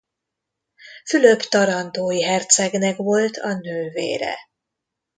Fülöp tarantói hercegnek volt a nővére.